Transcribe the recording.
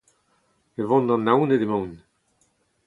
O vont da Naoned emaon.